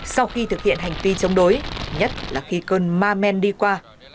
sau khi thực hiện hành vi chống đối nhất là khi cơn ma men đi qua